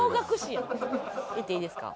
いっていいですか？